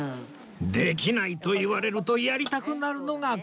できないと言われるとやりたくなるのがこの人！